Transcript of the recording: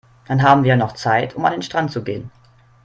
Dann haben wir ja noch Zeit, um an den Strand zu gehen.